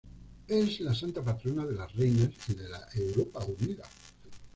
Es la santa patrona de las reinas y de la Europa Unida.